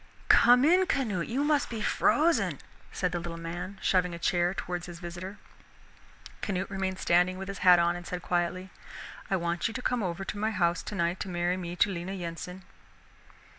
"Come in, Canute, you must be frozen," said the little man, shoving a chair towards his visitor. Canute remained standing with his hat on and said quietly, "I want you to come over to my house tonight to marry me to Lena Yensen."